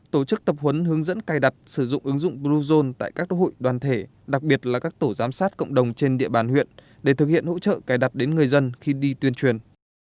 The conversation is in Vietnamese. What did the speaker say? tổ chức tập huấn hướng dẫn cài đặt sử dụng ứng dụng bluezone tại các đối hội đoàn thể đặc biệt là các tổ giám sát cộng đồng trên địa bàn huyện để thực hiện hỗ trợ cài đặt đến người dân khi đi tuyên truyền